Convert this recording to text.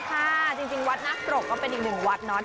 ขอบคุณหมอไก่ค่ะจริงวัดหน้ากรกก็เป็นอีกหนึ่งวัดเนาะ